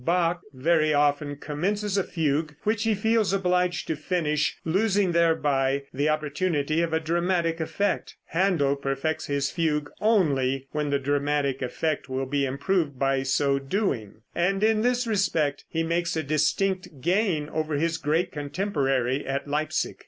Bach very often commences a fugue which he feels obliged to finish, losing thereby the opportunity of a dramatic effect. Händel perfects his fugue only when the dramatic effect will be improved by so doing, and in this respect he makes a distinct gain over his great contemporary at Leipsic.